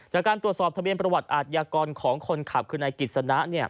จากการตรวจสอบทะเบียนประวัติอาทยากรของคนขับคือนายกิจสนะ